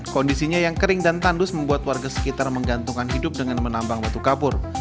kondisinya yang kering dan tandus membuat warga sekitar menggantungkan hidup dengan menambang batu kapur